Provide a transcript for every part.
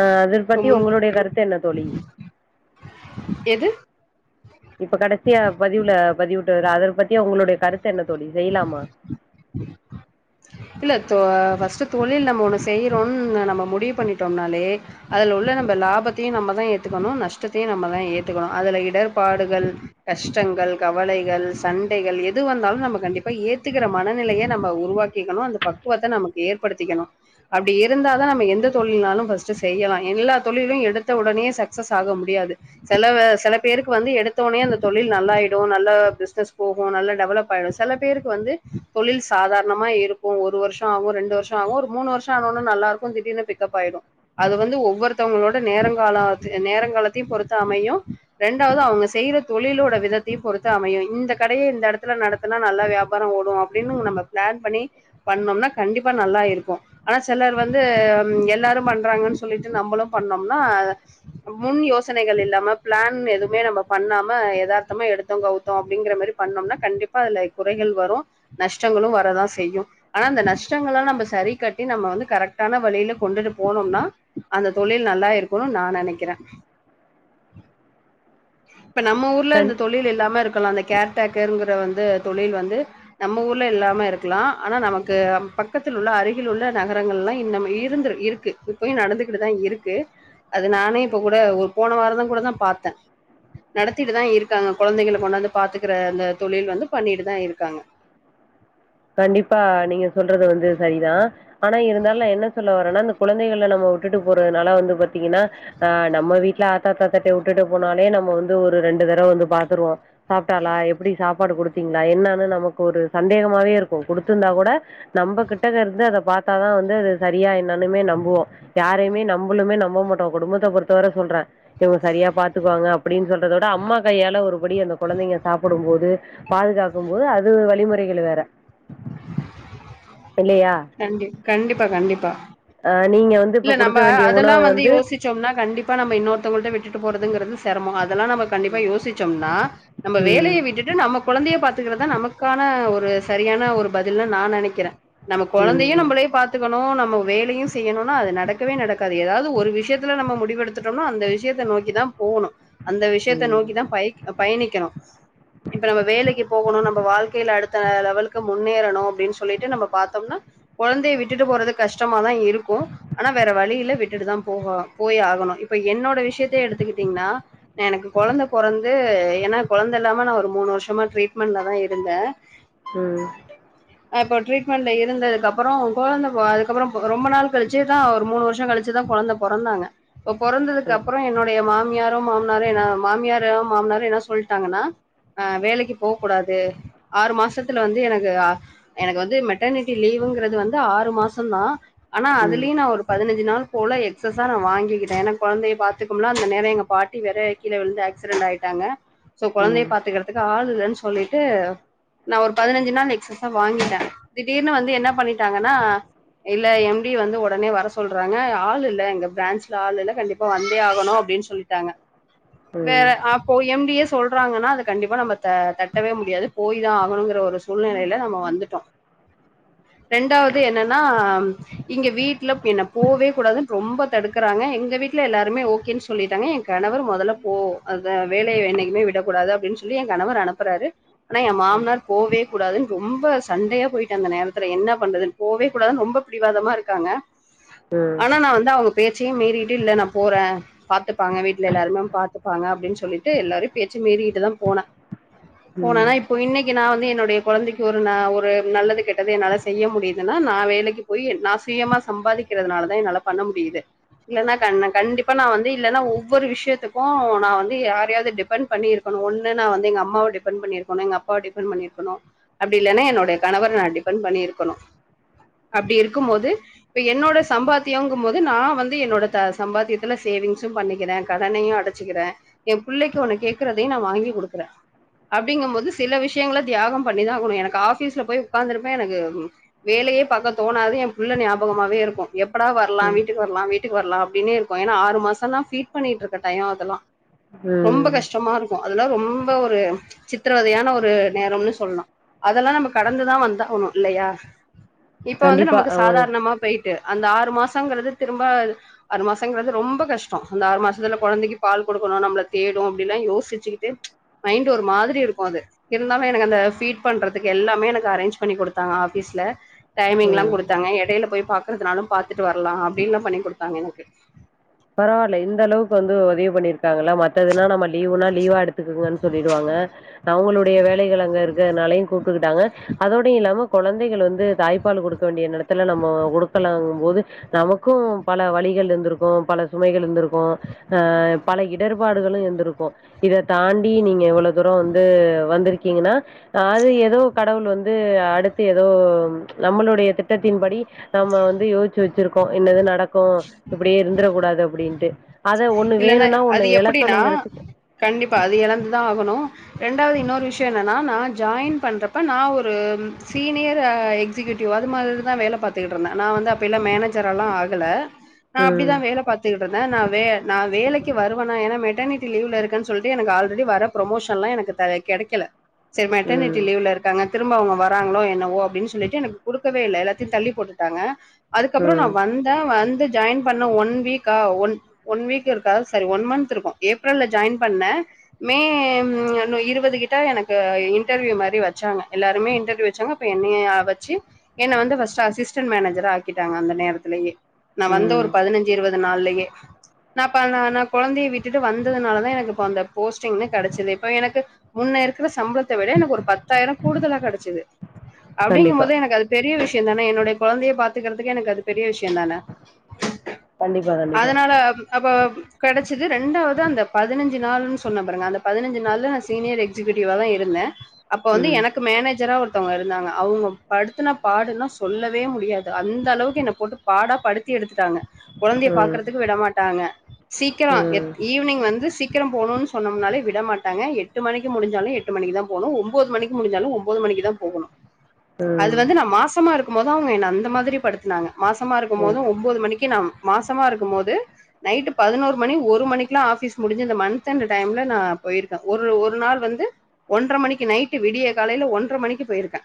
ஆஹ் அத இப்ப பத்தி முந் ஒங்களுடைய கருத்து என்ன தோழி எது இப்ப கடசியா பதிவுல பதிவிட்டு அத பத்தி உங்களுடைய கருத் து என்ன தோழி செய்யலாமா இல்ல தொ ஃபர்ஸ்ட்டு தொழில் நம்ம ஒண்ணு செய்யறோன் நம்ம முடிவு பண்ணிட்டோம்னாலே அதுல உள்ள நம்ம லாபத்தியு நம்ம தா ஏத்துக்கணு நஷ்டத்தையு நம்ம தா ஏத்துக்கணு அதுல இடர்பாடுகள் கஷ்டங் கள் கவலைகள் சண்டைகள் எது வந்தாலு நம்ம கண்டிப்பா ஏத்துகிற மனநிலைய நம்ம உருவாக் கிகணு அந்த பக்குவத்த நமக்கு ஏற்படுத்திக்கணு அப்டி இருந்தா தா நம்ம எந்த தொழில்னாலு ஃபஸ்ட்டு செய்யலா எல்லா தொழிலு எடுத்த உடனே சக்சஸ் ஆக முடியாது சில சில பேருக்கு வந்து எடுத்தோனே அந்த தொழில் நல்லாய்டு நல்லா பிசினஸ் போகு நல்ல டெவலப்பாய்டு சில பேருக்கு வந்து தொழில் சாதாரணமா இருக்கு ஒரு வருஷோ ஆகு ரெண்டு வருஷோ ஆகு ஒரு மூணு வருஷோ ஆனோனே நல்லாருக்கு திடீர்னு பிக்கப் ஆய்டு அது வந்து ஒவ்வொரு த்தவங்களோட நேரங்கால நேரங்காலத்தையு பொறுத்து அமையு ரெண்டாவ்து அவ்ங்க செய்யற தொழிளோட வி தத்தையு பொறுத்து அமையு இந்த கடைய இந்த எடத்துல நடத்தனா நல்லா வியாபாரோ ஓடு அப்டின்னு நம்ம பிளான் பண்ணி பண்ணோம்னா கண்டிப்பா நல்லா இருக்கு ஆனா சிலர் வந்து ம் எல்லாரு பண்றாங்கன் சொல்லிட்டு நம்ம நம்பளு பண்ணோம்னா முன் யோசனைகள் இல்லாம பிளான் எதுவுமே நம்ம பண்ணாம எதார்த் தமா எடுத்தோ கவுத்தோ அப்படிங்கிற மாரி பண்ணோம்னா கண்டிப்பா அலே குறைகள் வரு நஷ்டங்களு வரதா செய்யு ஆனா அந்த நஷ்டங்கள்லா நம்ப சரி கட்டி நம்ம வந்து கரெக்டான வழியில கொண்டுட்டு போனோம்னா அந்த தொ ழில் நல்லா இருக்குனுன் நா நெனைக்கிறே இப்ப நம்ம ஊர்ல கண் இந்த தொழில் இல்லாம இருக் கலா அந்த கேர்டேக்கர்ங்கிற வந்து தொழில் வந்து நம்ம ஊர்ல இல்லாம இருக்கலா ஆனா நமக்கு பக்கத்தில் உள்ள அருகில் உள்ள நகரங்கள்லா இன்னமு இருந்து இருக்கு இப்பயு நடந்துகிட்டுதா இருக்கு அது நானே இப்ப கூட ஒரு போன வாரா தா கூட தா பாத்தே நடத்திட்டுதா இருக்காங்க குழந்தைகளல கொண்டாந்து பாத்துக்கிற அந்த தொழில் வந்து பண்ணிட்டுதா இருக்காங்க கண்டிப்பா நீங்க சொல்றது வந்து சரிதா ஆனா இருந்தாலு நா என்ன சொல்ல வரேன்னா இந்த குழந்தைகளல நம்ம உட்டுட்டு போறதுனால வந்து பாத்தீங்கன்னா ஆ நம்ம வீட்ல தாத்தா தட்டி உட்டுட்டு போனாலே நம்ம வந்து ஒரு ரெண்டு தடவ வந்து பாத்துருவோ சாப்ட்டாலா எப்டி சாப்பாடு குடுத்தி ங்களா என்னன்னு நமக்கு ஒரு சந்தேகமாவே இருக் கு குடுத்துருந்தா கூட நம்ம கிட்ட இருந்து அத பாத்தாதா வந்து அது சரியா என்னன்னுமே நம்புவோ யா ரைய்மே நம்பளுமே நம்ப மாட்டோ குடும்பத்த பொறுத்தவர சொல்றே இவுங்க சரியா பாத்துக்குவாங்க அப்டின் சொல்றத விட அம்மா அம்மா கையால ஒருபடி அந்த கொழந்தைங்க சாப்புடும் போது பாதுகாக்கும் போது அது வழிமுறைகள் வேற இல்லையா கண்டி கண்டிப்பா கண்டிப்பா ஆ நீங்க வந்து இப்ப இல்ல நம்ம குடுக்க வேண்டிய அதெல்லா உணவு வந்து யோசிச்சோம்னா கண்டிப்பா நம்ம இன்னொருத்தவங்கள்ட்ட விட்டுட்டு போறதுங்கிறது செரமோ அது இதெல்லா நம்ம கண்டிப்பா யோசச்சம்னா நம்ம ம் வேலைய விட்டுட்டு நம்ம கொழந்தைய பாத் துகறதா நமக்கான ஒரு சரியான ஒரு பதில்ன்னு நா நெனைக்கிறே நம்ம கொழந்தையு ம் நம்மளே பாத்துக்கணு நம்ம வேலையு செய்யணு நடக்கவே நடக்காது ஏதாவ்து ஒரு விஷயத்துல நம்ம முடிவெடுத்துட்டம்னா அந்த விஷயத்த நோக்கிதா போணு அந்த ம் விஷயத்த ம் நோக்கிதா பை பயணிக்கணு இப்ப நம்ம வேலைக்கு போகணு நம் ப வாழ்க்கைல அடுத்த லெவலுக்கு முன்னேறணு அப்டின் சொல்லீட்டு நம்ம பாத்தம்னா கொழந்தைய விட்டுட்டு போறது கஷ் டமாதா இருக்கு ஆனா வேற வழிய இல்ல விட்டுட்டுதா போக போய் ஆகணு இப்ப என்னோட விஷயத்த எடுத்துக்கிட்டீங்ன்னா எனக் கு குழந்த பொறந்து ஏனா கொழந்த இல்லாம நா ஒரு மூணு வருஷமா ட்ரீட்மெண்ட்லதா இருந்தே ம் அப்போ ட்ரீட்மெண்ட்ல இருந்ததுக்கப்றோ கொழந்த பொ அதுக்கப்றோ ரொம்ப நாள் க ழிச்சிதா ஒரு மூனு வர்ஷோ கழிச்சிதா கொழந்த பொறந்தாங்க பொறந்ததுக்கப்றோ என்னுடைய மாமி மாமியாரு மாமனாரு என்ன மாமியாரு மாமனாரு என்னா சொல்ட்டாங்கன்னா ஆ வேலைக்கு போக்கூடாது ஆறு மாசத்துல வந்து எனக்கு எனக்கு வந்து மெட்டானிட்டி லீவ் ங்கிறது வந்து ஆறு மாசந்தா ஆனா ம் ம் அதுலியு நா ஒரு பதினஞ்சு நாள் போல எக்சஸா நா வாங்கிகிட்டே ஏனா கொழந்தைய பாத்துக்கும்ல அந்த நேர எங்க பாட்டி வேற கீழ விழுந்து ஏக்சிரெண்ட் ஆயிட்டாங்க சோ கொழந்தைய பாத்துக்கறதுக்கு ஆள் இல்லன் சொல்லீட்டு நா ஒரு பதினஞ்சு நாள் எக்ஸர்ஸா வாங்கிட்டே திடீர்னு வந்து என்ன பண்ணிட்டாங்கன்னா இல்ல எம் டி வந்து ஒடனே வர சொல்றாங்க ஆள் இல்ல எங்க பிரான்சில ஆள் இல்ல கண்டிப்பா வந்தே ஆகணு அப்டின் சொல்லிட்டாங்க வேற ம் அப்போ எம் டி சொல்றாங்கன்னா அது கண்டிப்பா நம்ம த தட்டவே முடியாது போய் தா ஆகணுங்கிற ஒரு சூழ்நெலைல நாம வந்துட்டோ ரெண்டாவது என்னன்னா இங்க வீட் [unintelligible] என்ன போவே கூடாதுன் ரொம்ப தடுக்கறாங்க எங்க வீட்ல எல்லாருமே ஓகே சொல்லி ட்டாங்க என் கணவர் மொதல்ல போ அந்த வேலய என்னைக்குமே விடக்கூடாது அப்டின்னு சொல்லி என் கணவர் அனுப்பறாரு ஆனா என் மாமனார் போவே கூடாதுன்னு ரொம்ப சண்டயா போயிட்டு அந்த நேரத்துல என்ன பண்றதுன்னு போவே கூடதுன்னு ரொம்ப பிடிவாதமா இருக்காங்க ஆனா நா வந்து அவங்க பே ச்சியும் மீறிட்டு இல்ல நா போறேன் பாத்துப்பாங்க வீட்ல எல்லாருமே பாத்துப்பாங்க அப்டின்னு சொல் லிட்டு எல்லாரையும் பேச்சு மீறிட்டு தா போனேன் ம் போனனா இப்ப இன்னைக்கு நா வந்து என்னோடய கொழந்தைக்கு ஒரு ந ஒரு நல்லது கெட்டது என்னால செய்ய முடியுதுன்னா நா வேலைக்கு போய் நா சுயமா சம்பாதிக்கறதுனால தா என்னால பண்ண முடியுது இல்லன்னா கண் கண்டிப்பா நா வந்து இல்லன்னா ஒவ்வொரு விஷயத்துக்கும் நா வந்து யாரயாது டிப்பன் பண்ணி இருக்கணும் ஒண்ணு நா வந்து எங்க அம்மாவ டிப்பன் பண்ணி இருக்கணும் எங்க அப்பாவ டிப்பன் பண்ணி இருக்கணும் அப்டி இல்லன்னா என்னோடய கணவர நா டிப்பன் பண்ணி இருக்கணும் அப்டி இருக்கும் போது இப்ப என்னோட சம்பாத்தியங்கும் போது நா வந்து என்னோட த சம்பாத்தியத்துல சேவிங்ஸும் பண்ணிக்கறேன் கடனையும் அ டச்சுக்கறேன் என் பிள்ளைக்கு ஒன்னு கேக்கறதையும் நா வாங்கி குடுக்கறேன் அப்டிங்கும் போது சில விஷயங்கள தியாகம் பண்ணிதா ஆகணும் எனக்கு ஆபீஸ்ல போய் உக்காந்துருப்பேன் எனக்கு ம் வேல யே பாக்க தோணாது என் புள்ள ஞாபகமாவே இருக்கும் எப்படா வரலாம் ம் வீட்டுக்கு வரலாம் வீட்டுக்கு வரலாம் அப்டின்னே இருக்கும் ஏன்னா ஆறு மாசன்தா ஃபீட் பண்ணிட்டுருக்க டயம் அதெல்லாம் ரொம்ப ம் கஷ்டமா இருக்கும் அதெல்லாம் ரொம்ப ஒரு சித்திரவதையான ஒரு நேரம்னு சொல்லாம் அதெல்லாம் நம்ப கடந்துதா வந்த ஆவணும் இல்லயா இப்ப வந்து கண்டிப்பா நமக்கு அவங்க சாதாரணமா போயிட்டு அந்த ஆறு மாசம்ங்கறது திரும்ப ஆறு மாசங்கறது ரொம்ப கஷ்டம் அந்த ஆறு மாசத்துல கொழந்தைக்கு பால் குடு க்கணும் நம்மள தேடும் அப்டில்லாம் யோசிச்சுக்கிட்டு மைண்ட் ஒரு மாதிரி இருக்கும் அது இருந்தாலும் எனக்கு அந்த பீட் பண்றதுக்கு எல்லாமே எனக்கு அரேஞ்ச் பண்ணி குடுத்தாங்க ஆபீஸ்ல டைமிங்லாம் ம் குடுத்தாங்க எடைல போய் பாக்கறதுனாலும் பாத்துட்டு வரலாம் அப்டின்லாம் பண்ணி குடுத்தாங்க எனக்கு [unintelligible] பண்ணிருக்காங்களா மற்றத்துனா நம்ம லீவ்னா லீவா எடுத்துக்கங்கன்னு சொல்லிடுவாங்க அவங்களுடைய வேலைகள அங்க இருக்கறனாலயும் கூட் ஒத்துகிட்டாங்க அதோடு இல்லாம கொழந்தைகள் வந்து தாய்ப்பால் குடுக்க வேண்டிய நேரத்துல நம்ம குடுக்கலங் போது நமக்கும் பல வழிகள் இருந்துருக்கும் பல சுமைகள் இருந்துருக்கும் அ பல இடர்பாடுகளு இருந்துருக்கும் இத தாண்டி நீங்க எவ்ள தூரம் வந்து வந்திருக்கீங்கன்னா அது ஏதோ கடவுள் வந் து அடுத்து ஏதோ நம்பளோடய திட்டத்தின்படி நம்ம வந்து யோசிச்சு வச்சிருக்கோ இன்னது நடக் இப்போ இப்டியே இருந் அப்டின்ட்டு இல்லன்னா வேணுனா ஒண்ணு அது எப்டின்னா எழக்கணுங்கிறதுக்கு கண்டிப்பா அது இழந்துதா ஆகணு ரெண்டாவது இன்னொ விஷயம் என்னனா நா ஜாயின் பண்றப்ப நா ஒரு சீனியர் ஆ எக்ஸிகயூட்டிவ் அது மாரிதா வேல பாத்துக்கிட்டு இருந்தே நா வந்து அப்பயலாம் மேனேஜரல்லா ஆகல நா அப்டிதா ம் வேல பாத்துக்கிட்டுருந்தே நா வே நா வேலைக்கு வருவன்னா ஏன்னா மெட்டனிட்டி லீவ்ல இருக்கன்னு சொல்ட்டு எனக்கு ஆல்ரெடி வர பரமோஷன்லா எனக்கு த கடைக்கல சரி மெட்டனிட்டி ம் லீவ்ல இருக்காங்க திரும்ப அவங்க வராங்களோ என்னவோ அப்டின்னு சொல்லிட்டு எனக்கு குடுக்கவே இல்ல எல்லாத்தையு தள்ளி போட்டுட்டாங்க அதுக்கப்ரோ நா ம் வந்தே வந்து ஜாயின் பண்ண ஒன் வீக்கா ஒன் ஒன் வீக் இருக்கா சரி ஒன் மந்த் இருக்கும் ஏப்ரல்ல ஜாயின் பண்ணே மே ம் இருவது கிட்ட எனக்கு இன்டர்வியூ மாரி வச்சாங்க எல்லாருமே இன்டர்வியூ வச்சாங்க என்னயு வச்சு என்ன வந்து ஃபர்ஸ்ட்டு அசிஸ்டன்ட் மேனேஜரா ஆக்கிட்டாங்க அந்த நேரத்லயே நா வந்த ஒரு ம் பதினஞ்சு இருவது நாள்லயே நா அப் நா நா கொழந்தைய விட்டுட்டு வந்ததுனாலதா எனக்கு இப்ப அந்த போஸ்டிங்மே கடைச்சது இப்ப எனக்கு முன்ன இருக்கற சம்பளத்த விட எனக்கு ஒரு பத்தாயிரம் கூடுதலா கடைச்சுது அப்டிங்கும் கண்டிப்பா போது எனக்கு அது பெரிய விஷய தானே என்னோடய கொழந்தய பாத்துக்கறதுக்கு எனக்கு அது பெரிய விஷய ம்தானே கண்டிப்பா கண்டிப்பா அதனால அப்போ கடைச்சது ரெண்டாவது அந்த பதினஞ்சு நாள்ன்னு சொன்ன பாருங்க அந்த பதினஞ்சு நாள்ல நா சீனியர் எக்ஸிக்யூ டிவ்வாதா இருந்தே அப்ப வந்து ம் எனக்கு மேனேஜரா ஒரு தங்க இருந்தாங்க அவங்க படுத்துனா பாடுனா சொல்லவே முடியாது அந்த அளவுக்கு என்ன போட்டு பாடா படுத்தி எடுத்து டாங்க கொழந்தய ம் பாக்கறதுக்கு விடமாட்டாங்க சீக்கரம் எ ம் ஈவினிங் வந்து சீக் கரம் போணும்னு சொன்னம்னாலே விட மாட்டங்க எட்டு மணிக்கு முடிஞ்சாலு எட்டு மணிக்கு தா போணு ஒம்போது மணிக்கு முடிஞ்சாலும் ஒம்போது மணி இன்னகிதா போகணும் அது வந்து நான் மாசமா இருக்கும் போது அவுங்க என்ன அந்த மாதிரி படுத்துனாங்க மாசமா இருக்கும் ம் போதும் ஒம்போது மணிக்கி நா மாசமா இருக்கும் போது நைட்டு பதினோரு மணி ஒரு மணிக்ல்லா ஆஃபீஸ் முடிஞ்சு இந்த மன்த் எண்டு டைம்ல நா போயிருக்க ஒரு ஒரு நாள் வந்து ந்து ஒன்ற மணிக்கு நைட்டு விடிய காலையில ஒன்ற மணிக்கி பேயிருக்க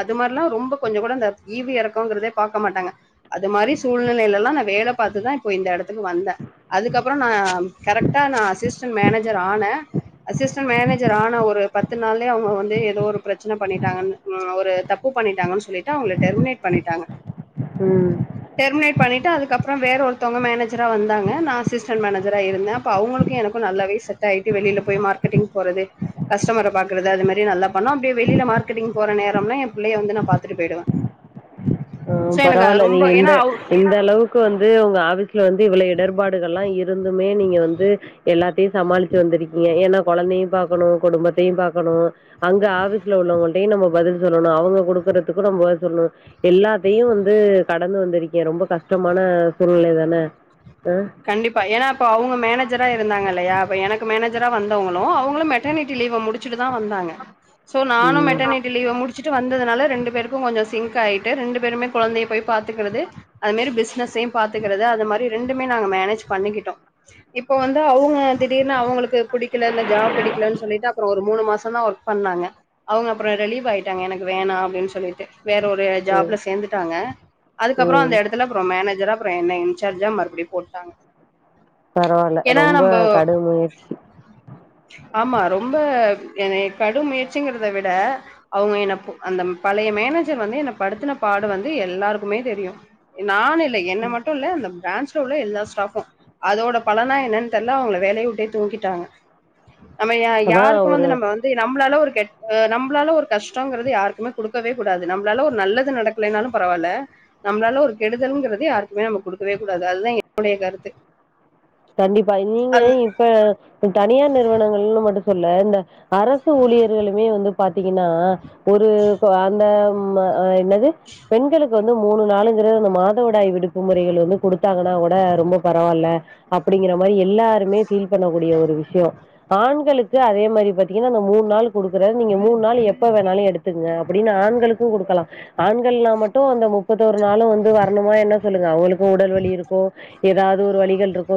அது மார்ல்லா ரொம்ப கொஞ்சகூடந்த ஈவு எறக்கோங்கறதே பாக்க மாட்டாங்க அது மாரி சூழ்நிலையிலல்லா நா வேல பாத்துதா இப்போ இந்த எடத்துக்கு வந்த அதுக்கப்பறோ நா கரெக்டா நா அசிஸ்டன் மேனேஜர் ஆனே அசிஸ்டன்ட் மேனேஜர் ஆனா ஒரு பத்து நாள்ளயே அவுங்க வந்து ஏதோ ஒரு பிரச்சன பண்ணிட்டாங்கன்னு ம் ஒரு தப் தப்பு பண்ணிட்டாங்கன் சொல்லிட்டு அவுங்கள டெர்மினேட் பண்ணிட்டாங்க ம் ம் டெர்மினேட் பண்ணிட்டு அதுக்கப்புற வேற ஒருத்தவுங்க மேனேஜரா வந்து தாங்க நா அசிஸ்டண்ட் மேனேஜரா இருந்த அப்ப அவுங்களுக்கு எனக்கு நல்லாவே செட் ஆகிட்டு வெளியில போய் மார்க்கெட்டிங் போறது கஸ்டமர பாக்குறது அது மாரி நல்லா பண்ணோ அப்டியே வெளில மார்கெட்டிங் போற நேரம்லா என் புள்ளய வந்து நா பாத்துட்டு பேயிடுவ ஆ பரவால்ல நீங்க இந்த ஏன்னா அவ இந்த அளவுக்கு வந்து உங்க ஆபீஸ்ல வந்து இவ்வள இடர்பாடுகல்லா இருந்துமே நீங்க வந்து எல்லாத் டியே சமாளிச்சு வந்திருக்கீங்க ஏன்னா கொழந்தையு பாக்கணு குடும்பத்தையு பாக்கணு அங்க ஆபீஸ்ல உள்ளவுங்க டே நம்ம பதில் சொல்லணு அவுங்க கொடுக்கறதுக்கூ நம்ம பதில் சொல்ணு எல்லாத் இதையும் வந்து கடந்து வந்திருக்கேன் ரொம்ப கஷ்டமான சூழ்நிலை தான அ. கண்டிப்பா ஏன்னா அப்ப அவுங்க மேனேஜரா இருந்தாங்க இல்லையா இப்ப எனக்கு மேனேஜரா வந்தவங்களு அவுங்களு மெட்டர்னிட்டி லீவ முடிச்சுட்டு தான் வந்தாங்க சோ நானும் ம். மெட்டர்னிட்டி லீவ முடிச்சுட்டு வந்து அதனால ரெண்டு பேருக்கூ கொஞ்சோ சிங்க் ஆயிட்டு ரெண்டு பேருமே கொழந்தய போய் பாத்துக்கறது அது மேரி பிஸ்னஸ்ஸையு பாத் க்கறது அது மாரி ரெண்டுமே நாங்க மேனேஜ் பண்ணிக்கிட்டோ இப்போ வந்து து அவுங்க திடீர்னு அவங்களுக்கு புடிக்கல இந்த ஜாப் பிடிக்கலன் சொல்லிட்டு அப்புறோ ஒரு மூணு மாசம் தான் ஒர்க் பண்ணாங்க அவுங்க அப்பறோ ரிலீவ் ஆயிட்டாங்க எனக்கு வேணா அப்டின் சொல்லிட்டு வேற ஒரு ம். ஜாப்ல சேந்துட்டாங்க அதுக்கப்பறோ அந்த ம். எடத்துல அப்புறோ மேனேஜரா அப்புறொ என்ன இன்சார்ஜா மறுபடி போட்டாங்க பரவால்ல ஏன்னா ரொம்ப நம்ப கடும் முயற்சி ஆமா ரொம்ப என்னைய கடும் முயற்சிங்கிறத விட அவுங்க என்னப் அந்த பல ஏன் மேனேஜர் வந்து என்ன படுத்துனப்பாடு வந்து எல்லாருக்குமே தெரியு நானு இல்ல ல என்ன மட்டுல்ல அந்த பிரான்ச் உள்ள எல்லா ஸ்டாஃபும் அதோட பலனா என்னன்னு தெர்ல அவுங்கள வேலய வுட்டே தூக்கிட்டாங்க நம்ம யா அதான் யாருக்கும் ஒரு வந்து நம்ம வந்து நம்ளால ஒரு கெட் நம்பளால ஒரு கஷ்டோங்கறது யாருக்குமே குடுக்கவே கூடாது நம்ப்ளால ஒரு நல்லது நடக்லேன்னாலும் பரவால்ல நம்ப்ளால ஒரு கெடுதல்ங்கறது யாருக்குமே நம்ம குடுக்கவே கூடாது அதுதா என்னுடைய கருத்து கண்டிப்பா நீங்க அது இப்ப தனியார் நிறுவனங்கள்ன்னு மட்டு சொல்ல இந்த அரசு ஊழியர்களுமே வந்து பாத்தீங்கன்னா ஒரு அந்த ம் என்னது பெண்களுக்கு வந்து வந்து மூணு நாளுங்கிற அந்த மாதவிடாய் விடுப்பு முறைகள் வந்து குடுத்தாங்கன்னா கூட ரொம்ப பரவால்ல அப்டிங்கிற மாரி எல்லாருமே ஃபீல் பண்ணக்கூடிய ஒரு விஷயம் ஆண்களுக்கு அதே மாரி பாத்தீங்கன்னா அந்த மூண் நாள் குடுக்குற நீங்க மூண் நாள் எப்ப வேணாலு எடுத்துங்க அப்படின்னா ஆண்களுக்கும் குடுக்கலா ஆண்கல்லாம் மட்டும் அந்த முப்பத்தோரு நாளும் வந்து வரணுமா என்ன சொல்லுங்க அவுகளுக்கும் உடல் வலி இருக்கூ ஏதா ஒரு ஒரு வலிகள் இருக்கூ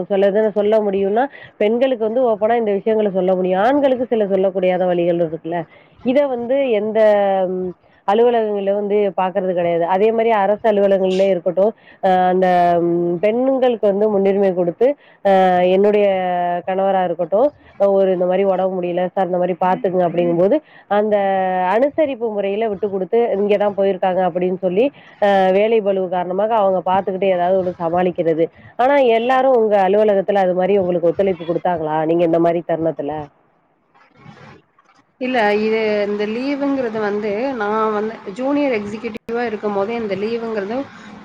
சொல்ல முடியுன்னா பெண்களுக்கு வந்து ஓப்பனா இந்த விஷயங்களை சொல்ல முடியும் ஆண்களுக்கு சில சொல்லமுடியாத வலிகள் இருக்கும் இல்ல இத வந்து எந்த அலுவலகங்களு வந்து பாக்கறது கெடையாது அதே மாரி அரசு அரசு அலுவலங்களே இருக்கட்டு அந்த பெண்களுக்கு வந்து முன்னுரிமை கொடுத்து ஆ என்னுடைய கணவரா இருக்கட்டு ஒரு இந்த மாரி ஓடம்பு முடியல சார் இந்த மாரி பாத்துக்கணு அப்டிங்கும்போது அந்த அனு அனுசரிப்பு முறையில விட்டுக் கொடுத்து இங்கேதா போயிருக்காங்க அப்டின் சொல்லி வேலை பலுவுக்காரணமாக மாக அவுங்க பாத்துக்கிட்டு ஏதாவ்து ஒரு சமாளிக்கிறது ஆனா எல்லாரு உங்க உங்க அலுவலகத்துல அது மாரி உங்குளுக்கு ஒத்துழைப்பு குடுத்தாங்களா நீங்க இந்த மாரி தருணத்துல இல்ல இது இந்த லீவுங்குறது வந்து நா வந்து ஜூனியர் எக்ஸிகியூட்டிவா இருக்கும் போது இந்த லீவுங்கிறது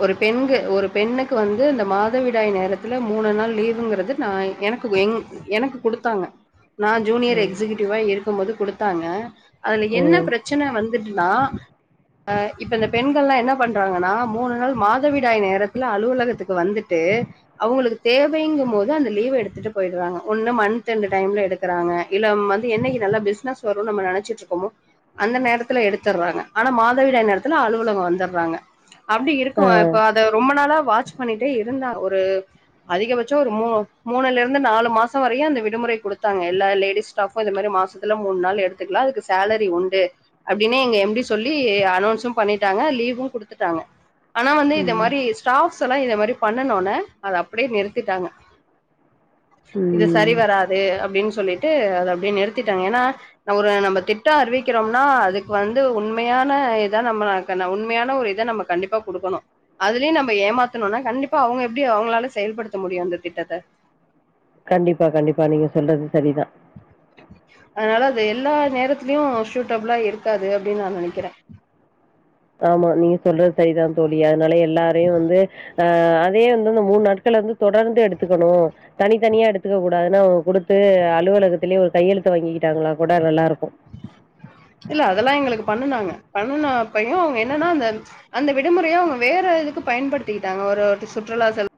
ஒரு பெண்கு ஒரு பெண்ணுக்கு வந்து இந்த மாதவிடாய் நேரத்துல மூணு நாள் லீவு லீவுங்குறது நா எனக்கு எங்கு எனக்கு குடுத்தாங்க நா ஜூனியர் ம் எக்ஸிக்யூட்டிவா இருக்கும் போது குடுத்தாங்க அதுல என்ன ம் பிரச்சன வந் வந்துட்டுனா ஆ இப்ப இந்த பெண்கள்லா என்ன பண்றாங்கன்னா மூணு நாள் மாதவிடாய் நேரத்துல அலுவலகத்துக்கு வந்துட்டு அவுங்குளுக்கு தேவைங்கும் போது அந்த லீவ எடுத்துட்டு போயிட்றாங்க ஒன்னு மன்த் எண்டு டைம்ல எடுக்குறாங்க இல்ல வந்து என்னிக்கு நல்லா பிசினஸ் வரோ நம்ம நெனச்சிக்கிட்டு இருக்கோமோ அந்த நேரத்துல எடுத்துறாங்க ஆனா மாதவிடாய் நேரத்துல அலுவலகோ வந்துடுறாங்க அப்டி இருக்கு ஆ இப்போ அத ரொம்ப நாளா வாட்ச் பண்ணிட்டே இருந்தே ஒரு அதிகபட்சோ ஒரு மூணு மூணுல இர்ந்து நாலு மாசோ வரையு இந்த விடுமுறை குடுத்தாங்க எல்லா லேடிஸ் ஸ்டாஃபோ இந்த மாரி மாசோ மாசத்துல மூணு நாள் எடுத்துக்கலா அதுக்கு சேலரி உண்டு அப்டீனே எங்க எம் டி சொல்லி அனோன்சோ பண்ணிட்டாங்க லீவு குடுத்துட்டாங்க ஆனா வந்து இத ம் மாரி ஸ்டாப்ஸெல்லா இத மாரி பண்ணனவொன்னே அத அப்டியே நிறுத்திட்டாங்க இது சரி ம் வராது அப்டீன்னு சொல்லிட்டு அத அப்டியே நிறுத்திட் நிறுத்திட்டாங்க ஏன்னா ஒரு நம்ம திட்டோ அறிவிக்கிறோம்னா அதுக்கு வந்து உண்மையான இத நம்ம உண்மையான ஒரு இத நம்ம கண்டிப்பா குடுக்கணோ அதுலயு நம்ம ஏமாத்துநோனா கண்டிப்பா அவுங்க எப்டி அவுங்களால செயல் செயல் படுத்த முடியு அந்த திட்டத்த கண்டிப்பா கண்டிப்பா நீங்க சொல்றது சரிதா அதனால அது எல்லா நேரத்திலயு ஷூட்டபுளா இருக்காது அப்டின்னு நா நெனைக்கிறே ஆமா நீங்க சொல்றது சரிதா தோழி அதனால எல்லாரையு வந்து அ அதே வந்து அந்த மூண் நாட்கள் வந்து தொடர்ந்து எடுத்துக்கணோ தனித்தனியா எடுத்துக்கக் கூடாதுனு குடுத்து அலுவலகத்திலே ஒரு கையெழுத்த வாங்கிக்கிட்டாங்களா கூட நல்லா இருக்கோ [inaudible] இல்ல அதெல்லா எங்குளுக்கு பண்ணுனாங்க பண்ணுனா அப்பையு அவுங்க என்னன்னா அந்த அந்த விடுமுறையோ அவுங்க வேற வேற இதுக்கு பயன்படுத்திக்கிட்டாங்க ஒரு வாட்டி சுற்றுலா செல்